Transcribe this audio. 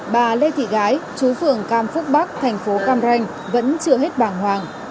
bà lê thị gái chú phường cam phúc bắc thành phố cam ranh vẫn chưa hết bàng hoàng